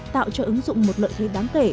tạo cho ứng dụng một lợi thế đáng kể